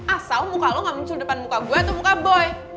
asal muka lo gak muncul depan muka gue atau muka boy